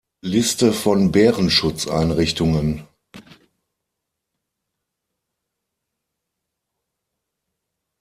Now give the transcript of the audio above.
Liste von Bärenschutz-Einrichtungen